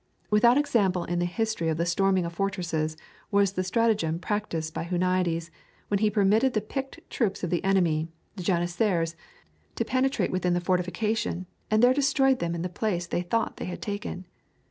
Without example in the history of the storming of fortresses was the stratagem practised by Huniades when he permitted the picked troops of the enemy, the janissaries, to penetrate within the fortification and there destroyed them in the place they thought they had taken.